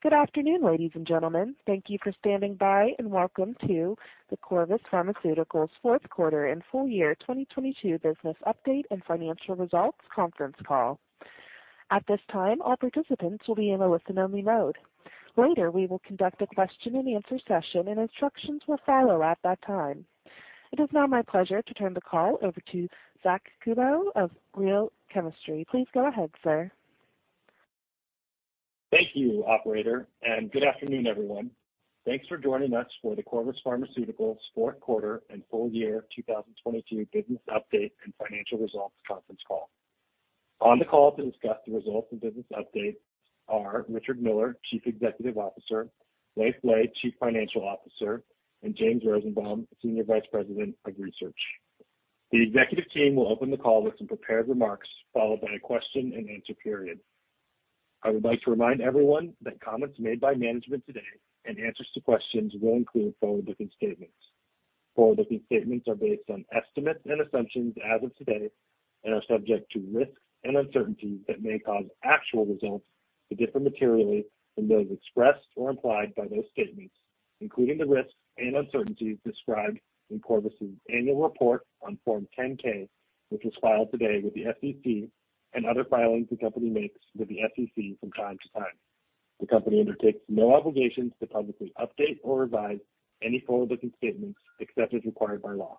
Good afternoon, ladies and gentlemen. Thank you for standing by, and welcome to the Corvus Pharmaceuticals Q4 and Full Year 2022 Business Update and Financial Results Conference Call. At this time, all participants will be in a listen-only mode. Later, we will conduct a question-and-answer session, and instructions will follow at that time. It is now my pleasure to turn the call over to Zack Kubow of Real Chemistry. Please go ahead, sir. Thank you, operator, and good afternoon, everyone. Thanks for joining us for the Corvus Pharmaceuticals Q4 and Full Year 2022 Business Update and Financial Results Conference Call. On the call to discuss the results and business updates are Richard Miller, Chief Executive Officer, Leiv Lea, Chief Financial Officer, and James Rosenbaum, Senior Vice President of Research. The executive team will open the call with some prepared remarks, followed by a Q&A period. I would like to remind everyone that comments made by management today and answers to questions will include forward-looking statements. Forward-looking statements are based on estimates and assumptions as of today and are subject to risks and uncertainties that may cause actual results to differ materially from those expressed or implied by those statements, including the risks and uncertainties described in Corvus's annual report on Form 10-K, which was filed today with the SEC and other filings the company makes with the SEC from time to time. The company undertakes no obligations to publicly update or revise any forward-looking statements except as required by law.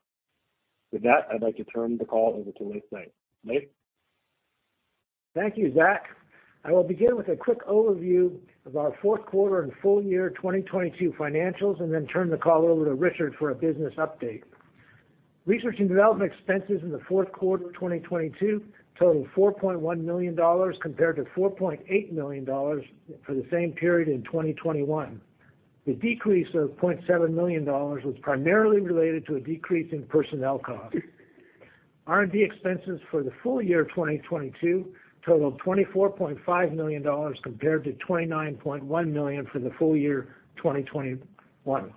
With that, I'd like to turn the call over to Leiv Lea. Leiv? Thank you, Zack. I will begin with a quick overview of our Q4 and full year 2022 financials and then turn the call over to Richard for a business update. Research and development expenses in the Q4 of 2022 totaled $4.1 million compared to $4.8 million for the same period in 2021. The decrease of $0.7 million was primarily related to a decrease in personnel costs. R&D expenses for the full year 2022 totaled $24.5 million compared to $29.1 million for the full year 2021.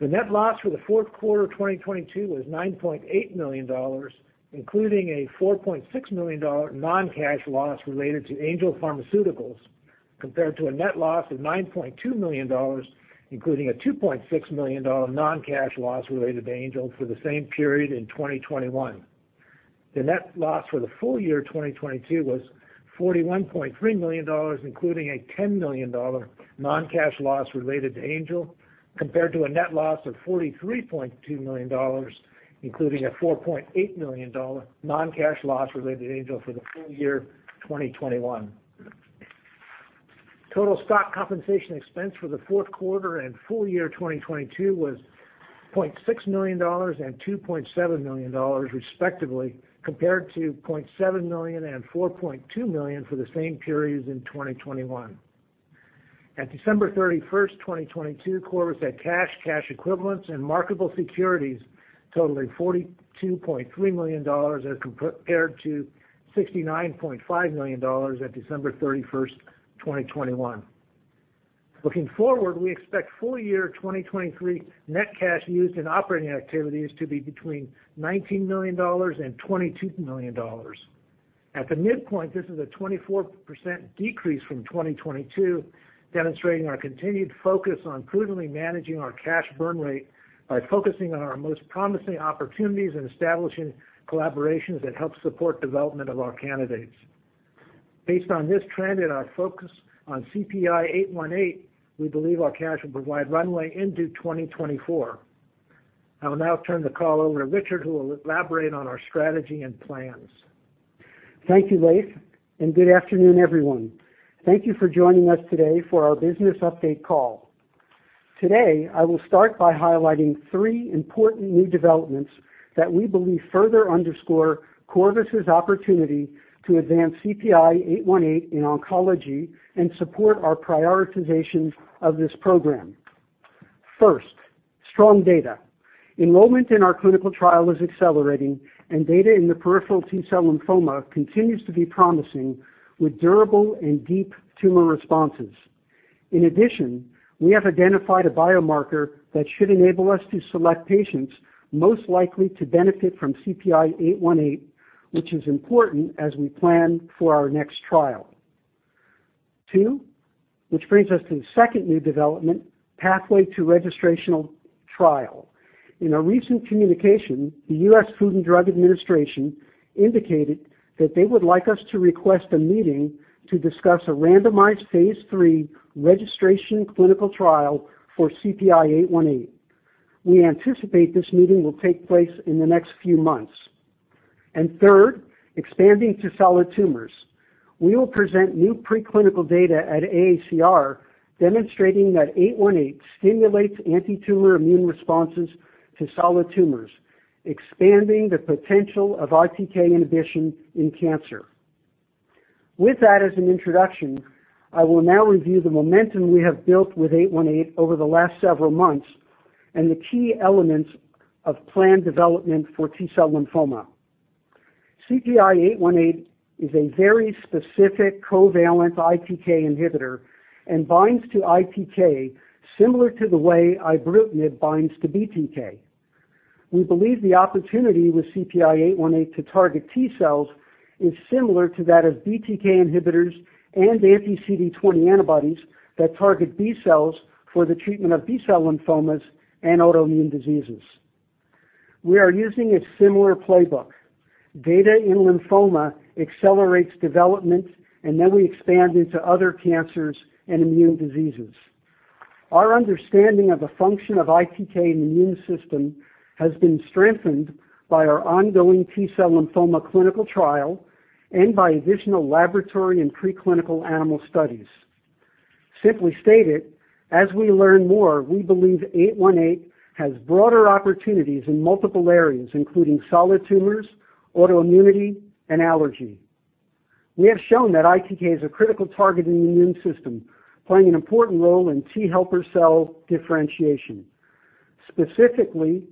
The net loss for the Q4 of 2022 was $9.8 million, including a $4.6 million non-cash loss related to Angel Pharmaceuticals, compared to a net loss of $9.2 million, including a $2.6 million non-cash loss related to Angel for the same period in 2021. The net loss for the full year 2022 was $41.3 million, including a $10 million non-cash loss related to Angel, compared to a net loss of $43.2 million, including a $4.8 million non-cash loss related to Angel for the full year 2021. Total stock compensation expense for the Q4 and full year 2022 was $0.6 million and $2.7 million, respectively, compared to $0.7 million and $4.2 million for the same periods in 2021. At December 31st, 2022, Corvus had cash equivalents, and marketable securities totaling $42.3 million as compared to $69.5 million at December 31st, 2021. Looking forward, we expect full year 2023 net cash used in operating activities to be between $19 million and $22 million. At the midpoint, this is a 24% decrease from 2022, demonstrating our continued focus on prudently managing our cash burn rate by focusing on our most promising opportunities and establishing collaborations that help support development of our candidates. Based on this trend and our focus on CPI-818, we believe our cash will provide runway into 2024. I will now turn the call over to Richard, who will elaborate on our strategy and plans. Thank you, Leiv, and good afternoon, everyone. Thank you for joining us today for our business update call. Today, I will start by highlighting three important new developments that we believe further underscore Corvus' opportunity to advance CPI-818 in oncology and support our prioritization of this program. First, strong data. Enrollment in our clinical trial is accelerating, and data in the peripheral T-cell lymphoma continues to be promising with durable and deep tumor responses. In addition, we have identified a biomarker that should enable us to select patients most likely to benefit from CPI-818, which is important as we plan for our next trial. 2, which brings us to the second new development, pathway to registrational trial. In a recent communication, the U.S. Food and Drug Administration indicated that they would like us to request a meeting to discuss a randomized phase III registration clinical trial for CPI-818. We anticipate this meeting will take place in the next few months. Third, expanding to solid tumors. We will present new preclinical data at AACR demonstrating that 818 stimulates antitumor immune responses to solid tumors, expanding the potential of ITK inhibition in cancer. With that as an introduction, I will now review the momentum we have built with 818 over the last several months and the key elements of planned development for T-cell lymphoma. CPI-818 is a very specific covalent ITK inhibitor and binds to ITK similar to the way ibrutinib binds to BTK. We believe the opportunity with CPI 818 to target T cells is similar to that of BTK inhibitors and anti-CD20 antibodies that target B cells for the treatment of B-cell lymphomas and autoimmune diseases. We are using a similar playbook. Data in lymphoma accelerates development, and then we expand into other cancers and immune diseases. Our understanding of the function of ITK in the immune system has been strengthened by our ongoing T-cell lymphoma clinical trial and by additional laboratory and preclinical animal studies. Simply stated, as we learn more, we believe eight one eight has broader opportunities in multiple areas, including solid tumors, autoimmunity, and allergy. We have shown that ITK is a critical target in the immune system, playing an important role in T helper cell differentiation. Specifically,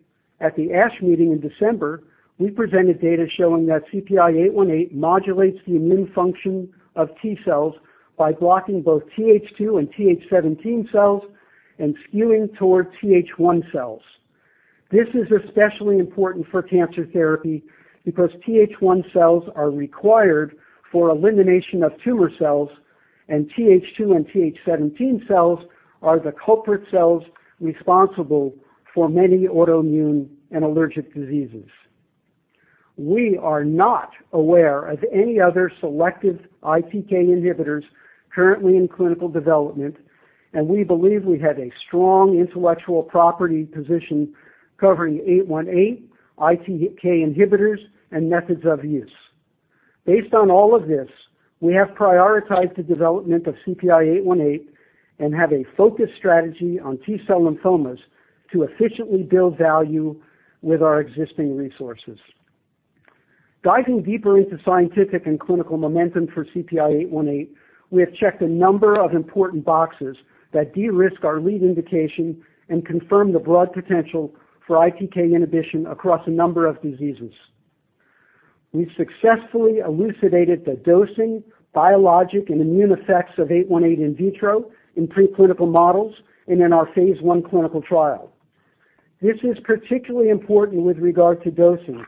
at the ASH meeting in December, we presented data showing that CPI eight one eight modulates the immune function of T cells by blocking both Th2 and Th17 cells and skewing towards Th1 cells. This is especially important for cancer therapy because Th1 cells are required for elimination of tumor cells, and Th2 and Th17 cells are the culprit cells responsible for many autoimmune and allergic diseases. We are not aware of any other selective ITK inhibitors currently in clinical development, and we believe we have a strong intellectual property position covering 818, ITK inhibitors, and methods of use. Based on all of this, we have prioritized the development of CPI-818 and have a focused strategy on T-cell lymphomas to efficiently build value with our existing resources. Diving deeper into scientific and clinical momentum for CPI-818, we have checked a number of important boxes that de-risk our lead indication and confirm the broad potential for ITK inhibition across a number of diseases. We've successfully elucidated the dosing, biologic, and immune effects of 818 in vitro in preclinical models and in our phase I clinical trial. This is particularly important with regard to dosing,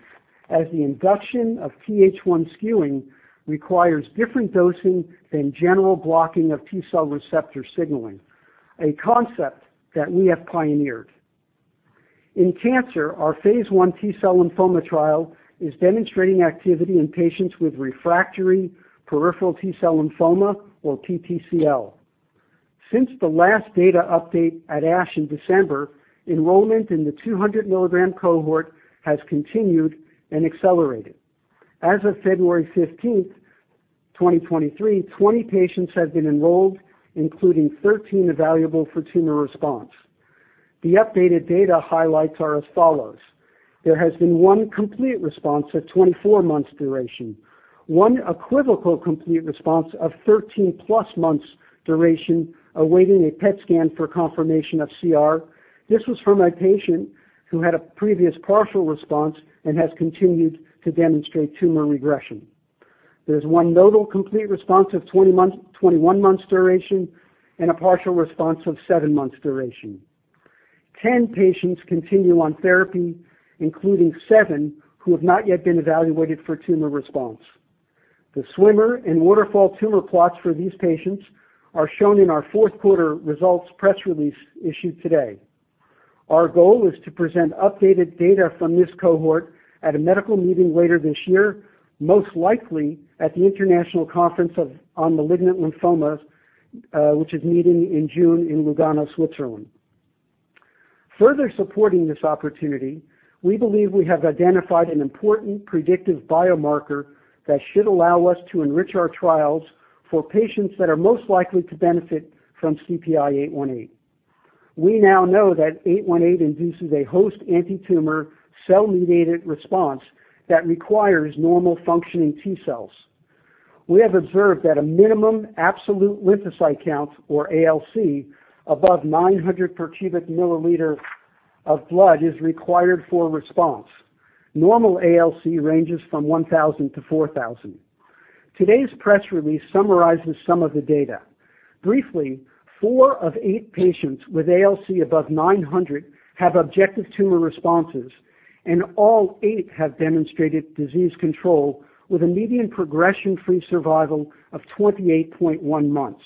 as the induction of Th1 skewing requires different dosing than general blocking of T-cell receptor signaling, a concept that we have pioneered. Our phase I T-cell lymphoma trial is demonstrating activity in patients with refractory peripheral T-cell lymphoma or PTCL. Since the last data update at ASH in December, enrollment in the 200 mg cohort has continued and accelerated. As of February 15, 2023, 20 patients have been enrolled, including 13 evaluable for tumor response. The updated data highlights are as follows. There has been 1 complete response of 24 months duration, one equivocal complete response of 13+ months duration awaiting a PET scan for confirmation of CR. This was from a patient who had a previous partial response and has continued to demonstrate tumor regression. There's one nodal CR of 21 months duration and a partial response of seven months duration. 10 patients continue on therapy, including seven who have not yet been evaluated for tumor response. The swimmer and waterfall tumor plots for these patients are shown in our Q4 results press release issued today. Our goal is to present updated data from this cohort at a medical meeting later this year, most likely at the International Conference on Malignant Lymphomas, which is meeting in June in Lugano, Switzerland. Further supporting this opportunity, we believe we have identified an important predictive biomarker that should allow us to enrich our trials for patients that are most likely to benefit from CPI-818. We now know that 818 induces a host anti-tumor cell-mediated response that requires normal functioning T cells. We have observed that a minimum absolute lymphocyte count, or ALC, above 900 per cubic milliliter of blood is required for a response. Normal ALC ranges from 1,000 to 4,000. Today's press release summarizes some of the data. Briefly, four of eight patients with ALC above 900 have objective tumor responses, and all eight have demonstrated disease control with a median progression-free survival of 28.1 months.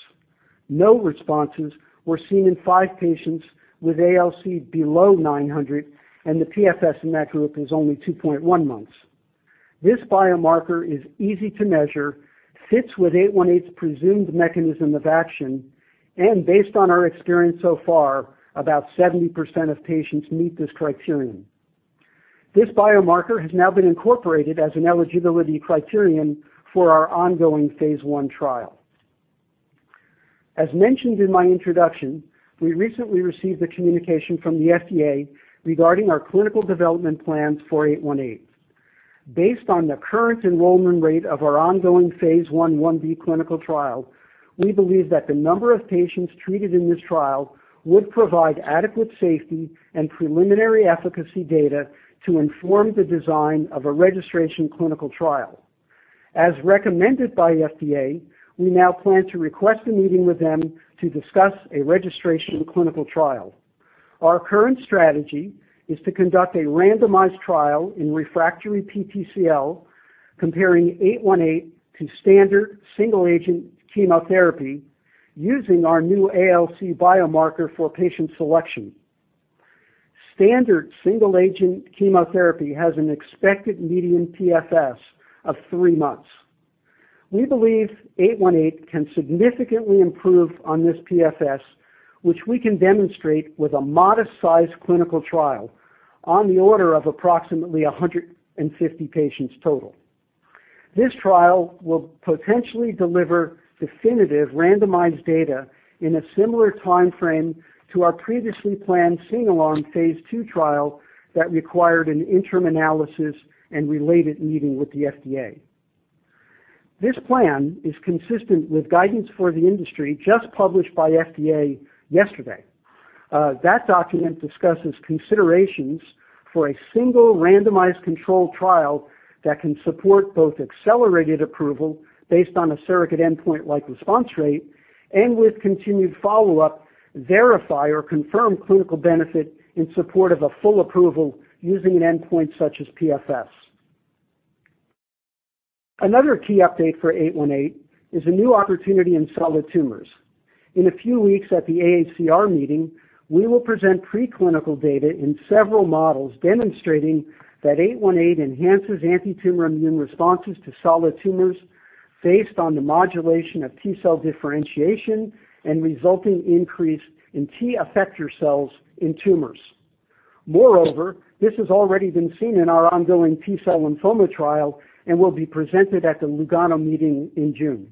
No responses were seen in five patients with ALC below 900, and the PFS in that group is only 2.1 months. This biomarker is easy to measure, fits with 818's presumed mechanism of action, and based on our experience so far, about 70% of patients meet this criterion. This biomarker has now been incorporated as an eligibility criterion for our ongoing phase I trial. As mentioned in my introduction, we recently received a communication from the FDA regarding our clinical development plans for CPI-818. Based on the current enrollment rate of our ongoing phase I/Ib clinical trial, we believe that the number of patients treated in this trial would provide adequate safety and preliminary efficacy data to inform the design of a registration clinical trial. As recommended by FDA, we now plan to request a meeting with them to discuss a registration clinical trial. Our current strategy is to conduct a randomized trial in refractory PTCL comparing CPI-818 to standard single agent chemotherapy using our new ALC biomarker for patient selection. Standard single agent chemotherapy has an expected median PFS of 3 months. We believe 818 can significantly improve on this PFS, which we can demonstrate with a modest-sized clinical trial on the order of approximately 150 patients total. This trial will potentially deliver definitive randomized data in a similar time frame to our previously planned single arm phase II trial that required an interim analysis and related meeting with the FDA. This plan is consistent with guidance for the industry just published by FDA yesterday. That document discusses considerations for a single randomized controlled trial that can support both accelerated approval based on a surrogate endpoint like response rate and with continued follow-up, verify or confirm clinical benefit in support of a full approval using an endpoint such as PFS. Another key update for 818 is a new opportunity in solid tumors. In a few weeks at the AACR meeting, we will present preclinical data in several models demonstrating that 818 enhances antitumor immune responses to solid tumors based on the modulation of T cell differentiation and resulting increase in T effector cells in tumors. This has already been seen in our ongoing T cell lymphoma trial and will be presented at the Lugano meeting in June.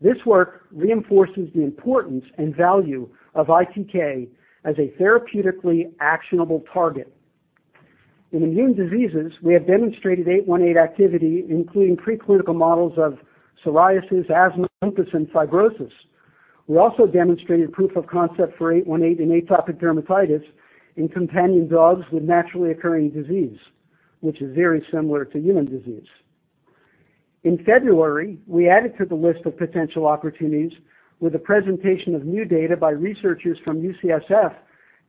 This work reinforces the importance and value of ITK as a therapeutically actionable target. In immune diseases, we have demonstrated 818 activity, including preclinical models of psoriasis, asthma, lupus, and fibrosis. We also demonstrated proof of concept for 818 in atopic dermatitis in companion dogs with naturally occurring disease, which is very similar to human disease. In February, we added to the list of potential opportunities with a presentation of new data by researchers from UCSF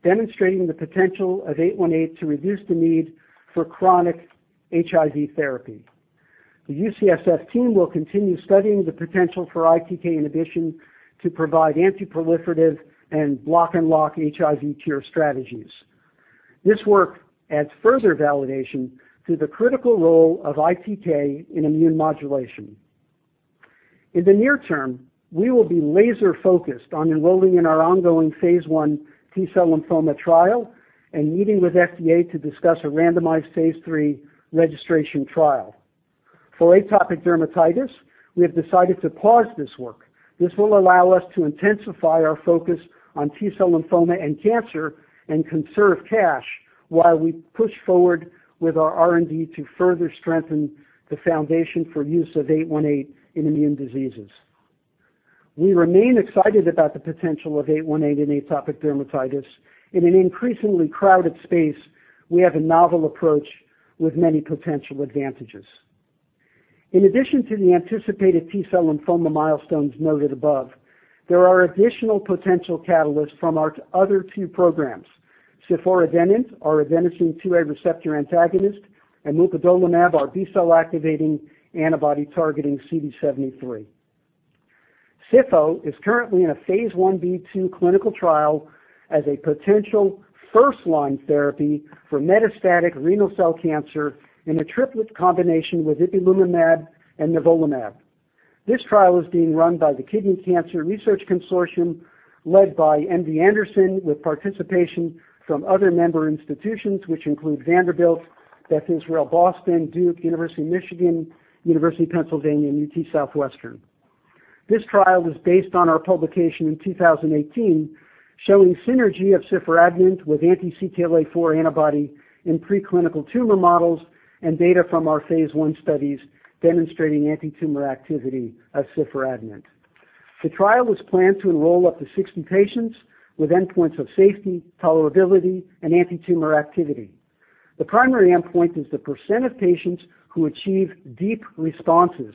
demonstrating the potential of CPI-818 to reduce the need for chronic HIV therapy. The UCSF team will continue studying the potential for ITK inhibition to provide antiproliferative and block-and-lock HIV cure strategies. This work adds further validation to the critical role of ITK in immune modulation. In the near term, we will be laser-focused on enrolling in our ongoing phase I T-cell lymphoma trial and meeting with FDA to discuss a randomized phase III registration trial. For atopic dermatitis, we have decided to pause this work. This will allow us to intensify our focus on T-cell lymphoma and cancer and conserve cash while we push forward with our R&D to further strengthen the foundation for use of 818 in immune diseases. We remain excited about the potential of 818 in atopic dermatitis. In an increasingly crowded space, we have a novel approach with many potential advantages. In addition to the anticipated T-cell lymphoma milestones noted above, there are additional potential catalysts from our other two programs: ciforadenant, our adenosine A2A receptor antagonist, and mupadolimab, our B cell activating antibody targeting CD73. Sifo is currently in a phase Ib/phase II clinical trial as a potential first-line therapy for metastatic renal cell cancer in a triplet combination with ipilimumab and nivolumab. This trial is being run by the Kidney Cancer Research Consortium led by MD Anderson, with participation from other member institutions, which include Vanderbilt, Beth Israel Deaconess Medical Center, Duke, University of Michigan, University of Pennsylvania, and UT Southwestern. This trial is based on our publication in 2018 showing synergy of ciforadenant with anti CTLA-4 antibody in preclinical tumor models and data from our phase I studies demonstrating antitumor activity of ciforadenant. The trial is planned to enroll up to 60 patients with endpoints of safety, tolerability, and antitumor activity. The primary endpoint is the percent of patients who achieve deep responses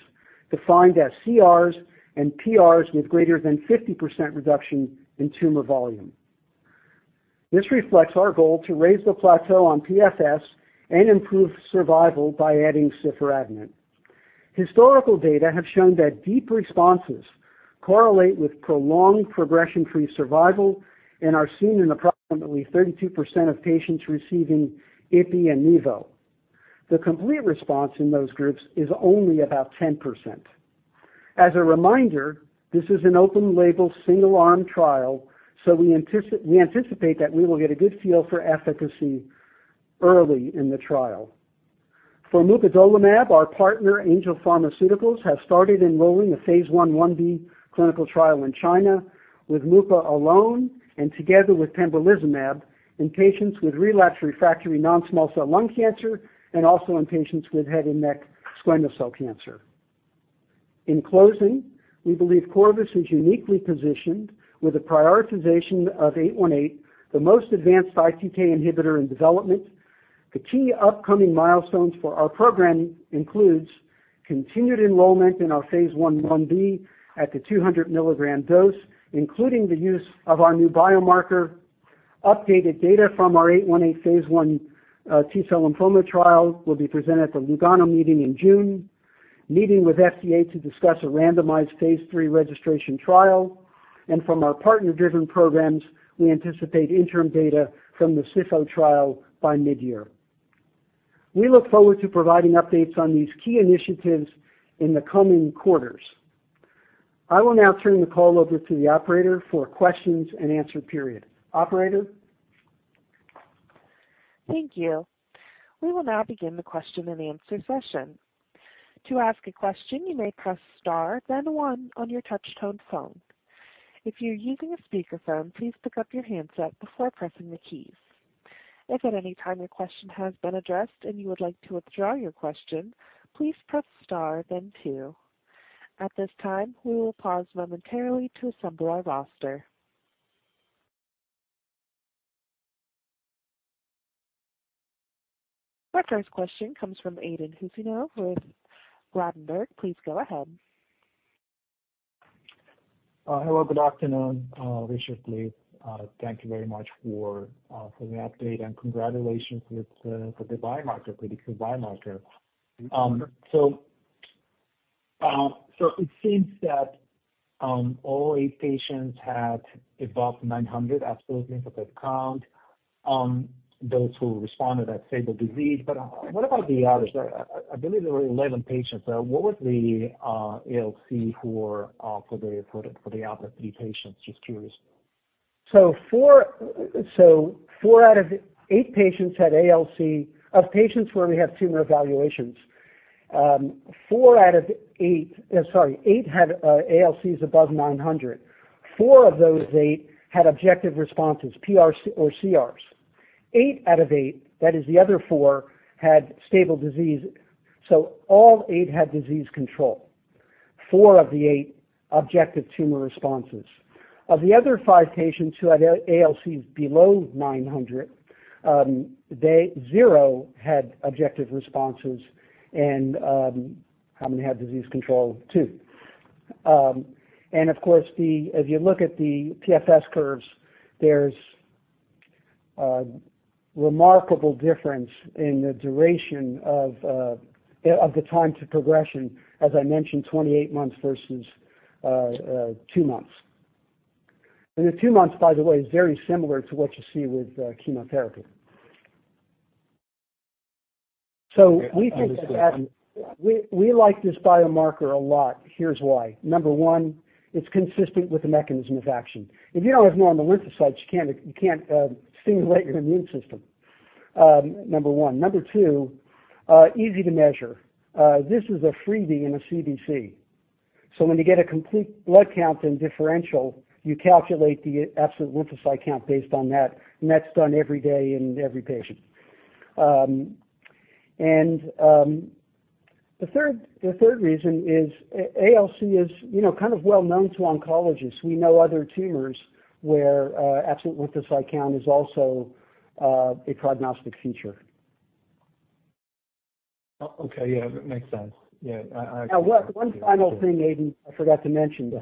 defined as CRs and PRs with greater than 50% reduction in tumor volume. This reflects our goal to raise the plateau on PFS and improve survival by adding ciforadenant. Historical data have shown that deep responses correlate with prolonged progression-free survival and are seen in approximately 32% of patients receiving Ipi and Nivo. The complete response in those groups is only about 10%. As a reminder, this is an open label, single arm trial. We anticipate that we will get a good feel for efficacy early in the trial. For mupadolimab, our partner, Angel Pharmaceuticals, have started enrolling a phase I/phase Ib clinical trial in China with mupa alone and together with pembrolizumab in patients with relapsed refractory non-small cell lung cancer and also in patients with head and neck squamous cell cancer. In closing, we believe Corvus is uniquely positioned with a prioritization of 818, the most advanced ITK inhibitor in development. The key upcoming milestones for our program includes continued enrollment in our phase I/phase Ib at the 200 mg dose, including the use of our new biomarker. Updated data from our 818 phase I T-cell lymphoma trial will be presented at the Lugano meeting in June. Meeting with FDA to discuss a randomized phase III registration trial. From our partner-driven programs, we anticipate interim data from the SIFO trial by midyear. We look forward to providing updates on these key initiatives in the coming quarters. I will now turn the call over to the operator for questions and answer period. Operator? Thank you. We will now begin the question and answer session. To ask a question, you may press star, then one on your touch tone phone. If you're using a speaker phone, please pick up your handset before pressing the keys. If at any time your question has been addressed and you would like to withdraw your question, please press star then two. At this time, we will pause momentarily to assemble our roster. Our first question comes from Aydin Huseynov with Ladenburg Thalmann. Please go ahead. Hello, good afternoon, Richard, please. Thank you very much for the update and congratulations with for the biomarker, pretty good biomarker. It seems that all 8 patients had above 900 absolute lymphocyte count, those who responded at stable disease. What about the others? I believe there were 11 patients. What was the ALC for the other three patients? Just curious. Four out of eight patients had ALC. Of patients where we have tumor evaluations, sorry, eight had ALCs above 900. Four of those eight had objective responses, PRs or CRs. Eight out of eight, that is the other four, had stable disease. All eight had disease control. Four of the eight, objective tumor responses. Of the other five patients who had ALCs below 900, they, zero had objective responses and, how many had disease control? two. Of course the, as you look at the PFS curves, there's a remarkable difference in the duration of the time to progression. As I mentioned, 28 months versus two months. The two months, by the way, is very similar to what you see with chemotherapy. We think that. Okay, understood. We like this biomarker a lot. Here's why. Number one, it's consistent with the mechanism of action. If you don't have normal lymphocytes, you can't stimulate your immune system, number one. Number two, easy to measure. This is a freebie in a CBC. So when you get a complete blood count and differential, you calculate the absolute lymphocyte count based on that, and that's done every day in every patient. The third reason is ALC is, you know, kind of well known to oncologists. We know other tumors where absolute lymphocyte count is also a prognostic feature. Oh, okay. Yeah, that makes sense. Yeah, I. Now one final thing, Aydin, I forgot to mention. Yeah.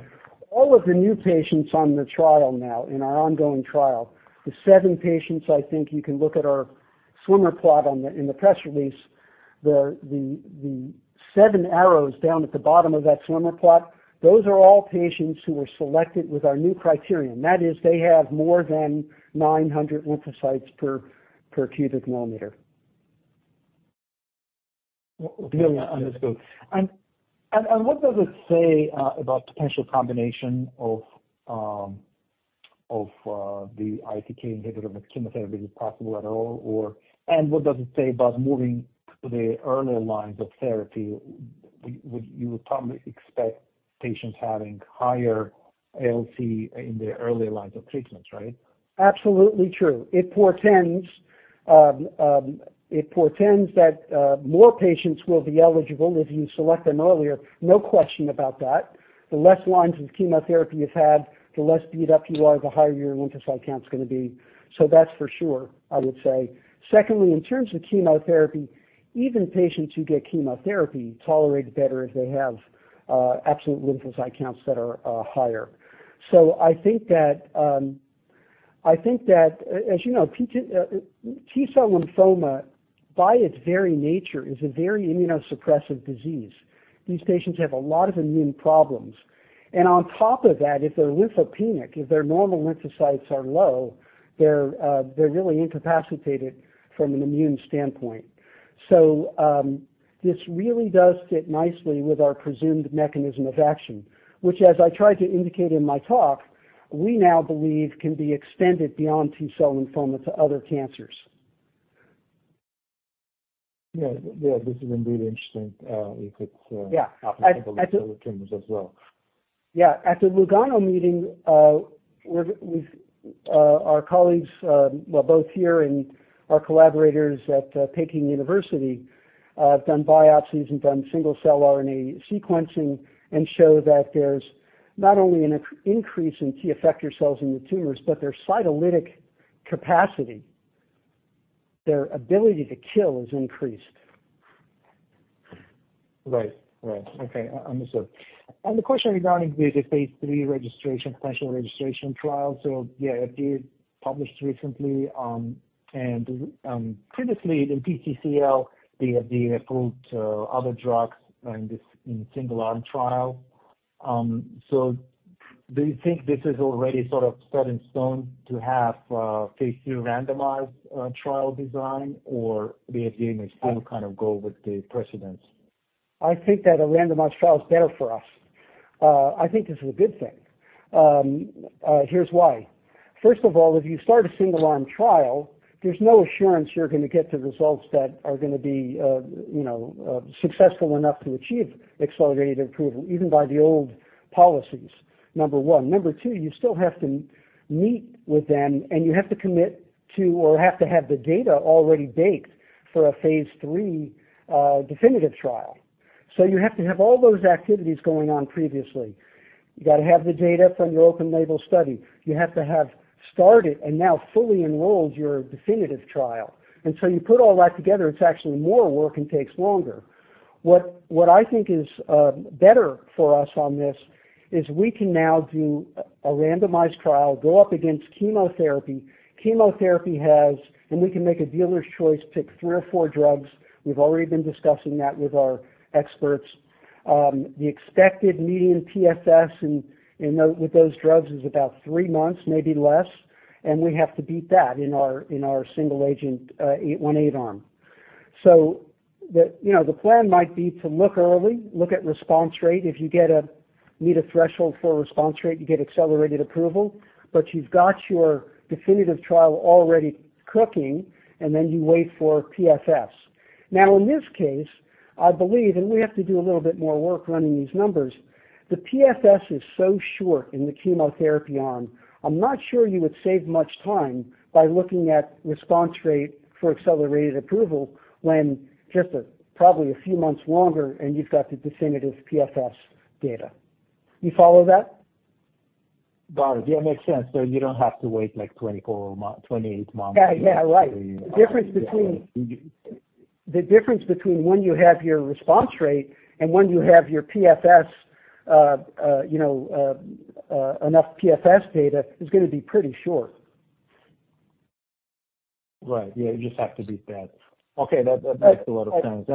All of the new patients on the trial now, in our ongoing trial, the seven patients, I think you can look at our swimmer plot on the, in the press release. The seven arrows down at the bottom of that swimmer plot, those are all patients who were selected with our new criterion. That is, they have more than 900 lymphocytes per cubic millimeter. Really underscore. What does it say about potential combination of the ITK inhibitor with chemotherapy? Is it possible at all, or. What does it say about moving to the earlier lines of therapy? Would you probably expect patients having higher ALC in the earlier lines of treatments, right? Absolutely true. It portends that more patients will be eligible if you select them earlier. No question about that. The less lines of chemotherapy you've had, the less beat up you are, the higher your lymphocyte count's gonna be. That's for sure, I would say. Secondly, in terms of chemotherapy, even patients who get chemotherapy tolerate better if they have absolute lymphocyte counts that are higher. I think that as you know, T-cell lymphoma by its very nature is a very immunosuppressive disease. These patients have a lot of immune problems. On top of that, if they're lymphopenic, if their normal lymphocytes are low, they're really incapacitated from an immune standpoint. This really does fit nicely with our presumed mechanism of action, which as I tried to indicate in my talk, we now believe can be extended beyond T-cell lymphoma to other cancers. Yeah. Yeah, this is indeed interesting, if it's... Yeah. I. Applicable to other tumors as well. Yeah. At the Lugano meeting, we've, our colleagues, well, both here and our collaborators at Peking University, have done biopsies and done single-cell RNA sequencing and show that there's not only an increase in T effector cells in the tumors, but their cytolytic capacity, their ability to kill is increased. Right. Right. Okay, understood. The question regarding the phase III registration, potential registration trial. Yeah, it did publish recently. Previously in PTCL, the approved other drugs in this single-arm trial. Do you think this is already sort of set in stone to have phase III randomized trial design or the FDA may still kind of go with the precedence? I think that a randomized trial is better for us. I think this is a good thing. Here's why. First of all, if you start a single-arm trial, there's no assurance you're gonna get the results that are gonna be, you know, successful enough to achieve accelerated approval, even by the old policies, number one. Number two, you still have to meet with them, and you have to commit to or have to have the data already baked for a phase III, definitive trial. You have to have all those activities going on previously. You gotta have the data from your open label study. You have to have started and now fully enrolled your definitive trial. You put all that together, it's actually more work and takes longer. What I think is better for us on this is we can now do a randomized trial, go up against chemotherapy. We can make a dealer's choice, pick three or four drugs. We've already been discussing that with our experts. The expected median PFS in with those drugs is about 3 months, maybe less. We have to beat that in our, in our single agent 818 arm. The, you know, the plan might be to look early, look at response rate. If you meet a threshold for response rate, you get accelerated approval. You've got your definitive trial already cooking, and then you wait for PFS. In this case, I believe, and we have to do a little bit more work running these numbers, the PFS is so short in the chemotherapy arm, I'm not sure you would save much time by looking at response rate for accelerated approval when just a, probably a few months longer, and you've got the definitive PFS data. You follow that? Got it. Yeah, it makes sense. You don't have to wait, like, 28 months. Yeah. Yeah, right. The difference between when you have your response rate and when you have your PFS, you know, enough PFS data is gonna be pretty short. Right. Yeah, you just have to beat that. Okay. That makes a lot of sense.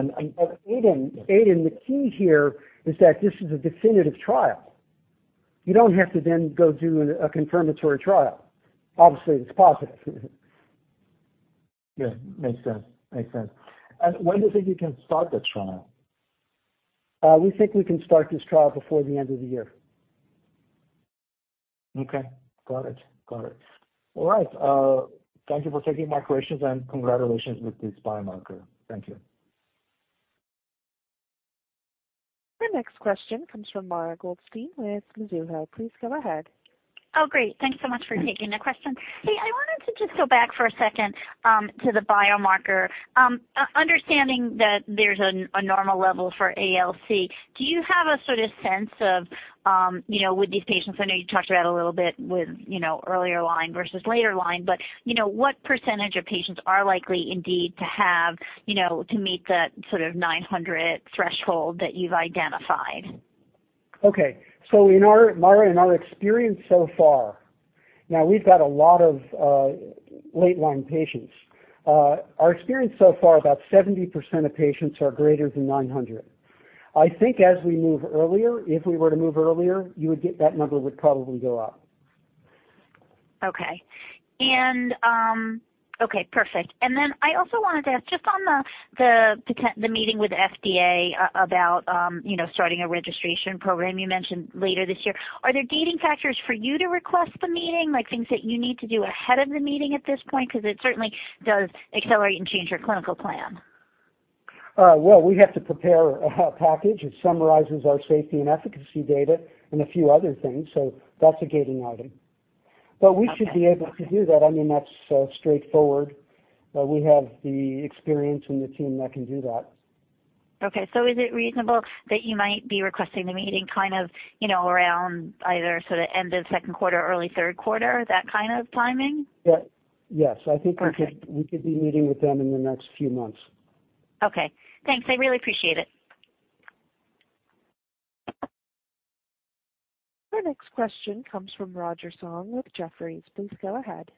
Aydin, the key here is that this is a definitive trial. You don't have to then go do a confirmatory trial. Obviously, it's positive. Yeah, makes sense. Makes sense. When do you think you can start this trial? We think we can start this trial before the end of the year. Okay. Got it. All right. Thank you for taking my questions. Congratulations with this biomarker. Thank you. Our next question comes from Mara Goldstein with Mizuho. Please go ahead. Oh, great. Thanks so much for taking the question. Hey, I wanted to just go back for a second to the biomarker. Understanding that there's a normal level for ALC, do you have a sort of sense of, you know, with these patients, I know you talked about a little bit with, you know, earlier line versus later line, but, you know, what percentage of patients are likely indeed to have, you know, to meet that sort of 900 threshold that you've identified? Okay. In our, Mara, in our experience so far, now we've got a lot of, late line patients. Our experience so far, about 70% of patients are greater than 900. I think as we move earlier, if we were to move earlier, you would get that number would probably go up. Okay. Perfect. I also wanted to ask just on the meeting with FDA about, you know, starting a registration program you mentioned later this year. Are there gating factors for you to request the meeting, like things that you need to do ahead of the meeting at this point? It certainly does accelerate and change your clinical plan. Well, we have to prepare a package that summarizes our safety and efficacy data and a few other things. That's a gating item. Okay. We should be able to do that. I mean, that's straightforward. We have the experience and the team that can do that. Is it reasonable that you might be requesting the meeting kind of, you know, around either sort of end of Q2, early Q3, that kind of timing? Yeah. Yes. Perfect. I think we could be meeting with them in the next few months. Okay. Thanks. I really appreciate it. Our next question comes from Roger Song with Jefferies. Please go ahead.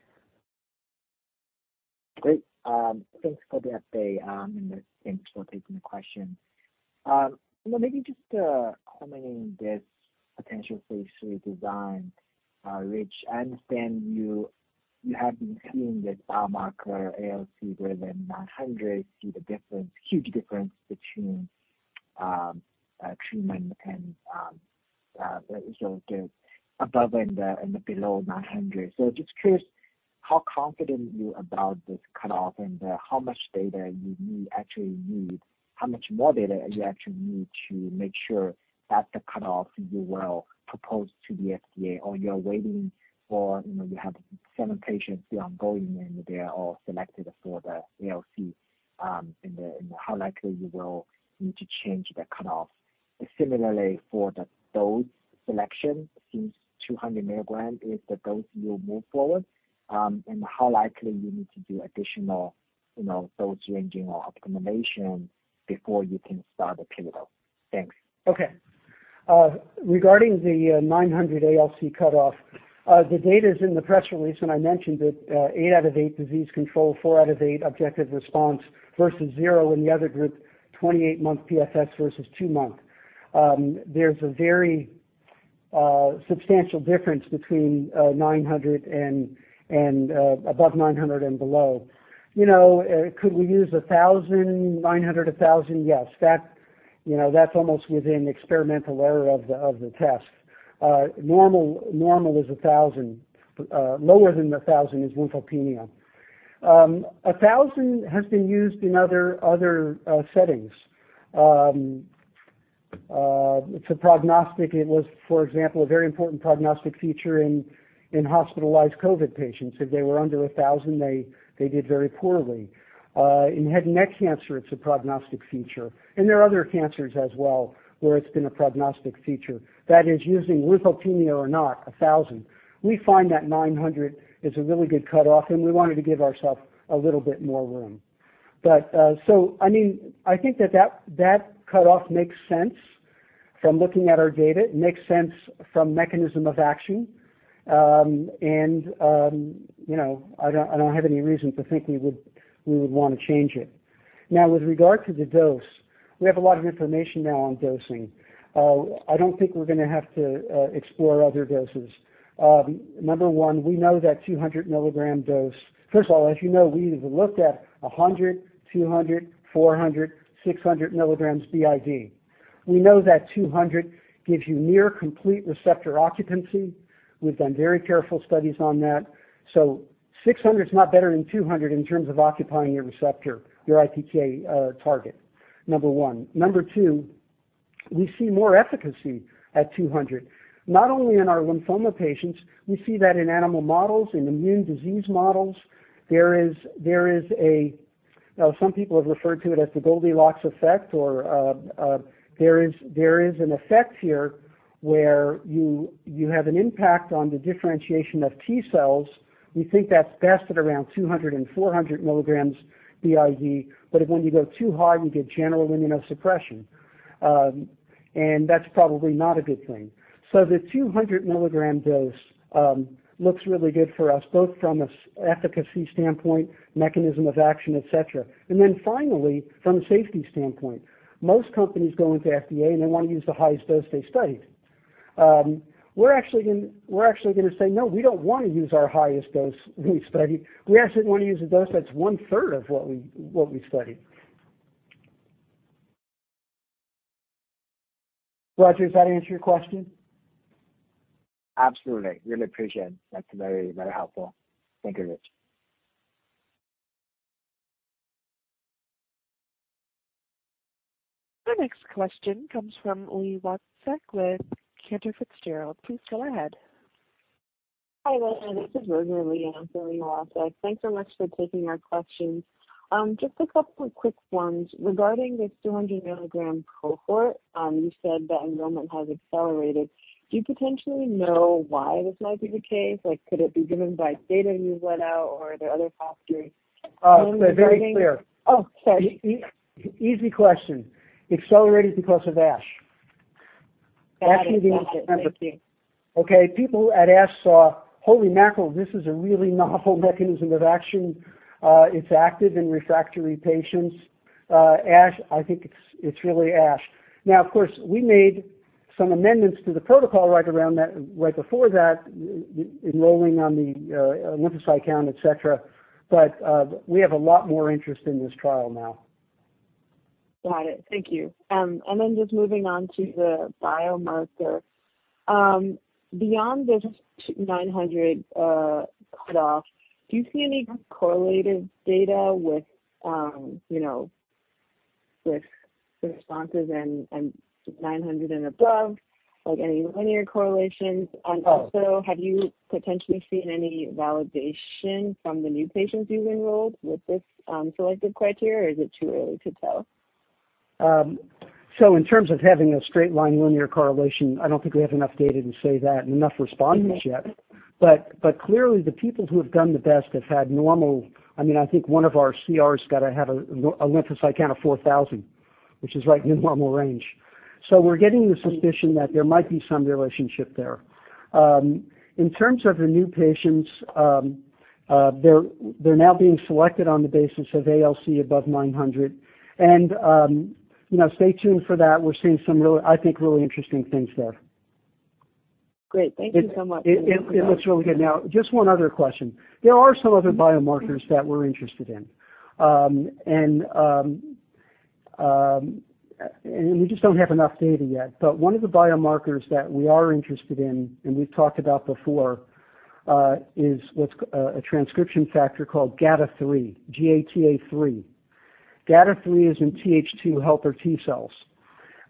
Great. Thanks for the update, and thanks for taking the question. You know, maybe just commenting this potential phase III design, which I understand you have been seeing this biomarker ALC greater than 900, see the difference, huge difference between treatment and so the above and the below 900. I'm just curious. How confident are you about this cutoff and how much data you need, actually need, how much more data you actually need to make sure that the cutoff you will propose to the FDA or you're waiting for, you know, you have seven patients still ongoing, and they are all selected for the ALC, and how likely you will need to change the cutoff? Similarly, for the dose selection, since 200 mg is the dose you will move forward, and how likely you need to do additional, you know, dose ranging or optimization before you can start a pivotal? Thanks. Okay. Regarding the 900 ALC cutoff, the data is in the press release, and I mentioned it, eight out of eight disease control, four out of eight objective response versus zero in the other group, 28 month PFS versus 2 month. There's a very substantial difference between 900 and above 900 and below. You know, could we use 1,000, 900, 1,000? Yes. That, you know, that's almost within experimental error of the test. Normal is 1,000. Lower than 1,000 is lymphopenia. 1,000 has been used in other settings. It's a prognostic. It was, for example, a very important prognostic feature in hospitalized COVID patients. If they were under 1,000, they did very poorly. In head and neck cancer, it's a prognostic feature. There are other cancers as well, where it's been a prognostic feature. That is, using lymphopenia or not, 1,000. We find that 900 is a really good cutoff, and we wanted to give ourself a little bit more room. I mean, I think that that cutoff makes sense from looking at our data. It makes sense from mechanism of action. You know, I don't, I don't have any reason to think we would, we would wanna change it. Now, with regard to the dose, we have a lot of information now on dosing. I don't think we're gonna have to explore other doses. Number one, we know that 200 mg dose... First of all, as you know, we've looked at 100, 200, 400, 600 mg BID. We know that 200 mg gives you near complete receptor occupancy. We've done very careful studies on that. Six hundred is not better than 200 mg in terms of occupying your receptor, your ITK target, number one. Number two, we see more efficacy at 200 mg. Not only in our lymphoma patients, we see that in animal models, in immune disease models. There is a some people have referred to it as the Goldilocks effect or there is an effect here where you have an impact on the differentiation of T cells. We think that's best at around 200 mg and 400 mg BID. When you go too high, you get general immunosuppression, and that's probably not a good thing. The 200 mg dose looks really good for us, both from an efficacy standpoint, mechanism of action, et cetera. Finally, from a safety standpoint, most companies go into FDA, and they wanna use the highest dose they studied. We're actually gonna say, "No, we don't wanna use our highest dose we studied. We actually wanna use a dose that's one-third of what we, what we studied." Roger, does that answer your question? Absolutely. Really appreciate. That's very, very helpful. Thank you, Rich. Our next question comes from Li Wang Watsek with Cantor Fitzgerald. Please go ahead. Hi there. This is Virginia Lee. I'm Lee Wang Watsek. Thanks so much for taking our questions. Just a couple of quick ones. Regarding this 200 mg cohort, you said the enrollment has accelerated. Do you potentially know why this might be the case? Like, could it be driven by data you've let out, or are there other factors... Oh, very clear. Oh, sorry. Easy question. Accelerated because of ASH. Got it. ASH meeting in December. Thank you. Okay. People at ASH saw, holy mackerel, this is a really novel mechanism of action. It's active in refractory patients. ASH, I think it's really ASH. Of course, we made some amendments to the protocol right around that, right before that, enrolling on the lymphocyte count, et cetera, we have a lot more interest in this trial now. Got it. Thank you. Just moving on to the biomarker. Beyond the 900 cutoff, do you see any correlative data with, you know, with the responses in 900 and above, like any linear correlations? Oh. Have you potentially seen any validation from the new patients you've enrolled with this selective criteria, or is it too early to tell? In terms of having a straight line linear correlation, I don't think we have enough data to say that and enough responses yet. Okay. Clearly the people who have done the best have had normal. I mean, I think one of our CRs got to have a lymphocyte count of 4,000, which is right in normal range. We're getting the suspicion that there might be some relationship there. In terms of the new patients, they're now being selected on the basis of ALC above 900. You know, stay tuned for that. We're seeing some really, I think, really interesting things there. Great. Thank you so much. It looks really good. Just one other question. There are some other biomarkers that we're interested in. We just don't have enough data yet. One of the biomarkers that we are interested in, and we've talked about before, is what's a transcription factor called GATA3, G-A-T-A-3. GATA3 is in TH2 helper T cells.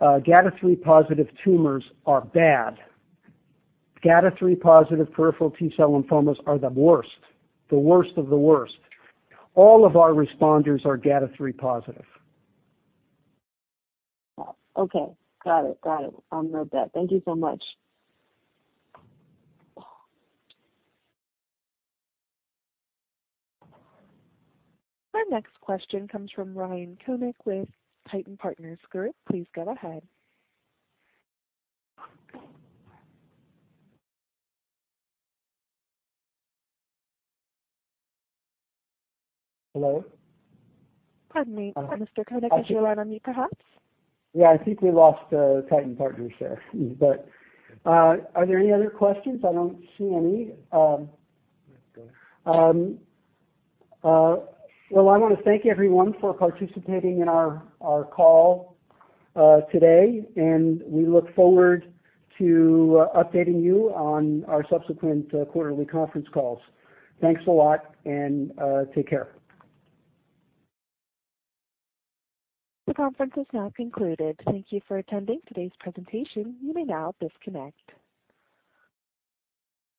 GATA3 positive tumors are bad. GATA3 positive peripheral T-cell lymphomas are the worst, the worst of the worst. All of our responders are GATA3 positive. Okay. Got it. Got it. I'll note that. Thank you so much. Our next question comes from Ryan Koenig with Titan Partners Group. Please go ahead. Hello? Pardon me, Mr. Koenig. Is your line on mute perhaps? Yeah. I think we lost Titan Partners there. Are there any other questions? I don't see any. Well, I wanna thank everyone for participating in our call today, and we look forward to updating you on our subsequent quarterly conference calls. Thanks a lot. Take care. The conference is now concluded. Thank you for attending today's presentation. You may now disconnect.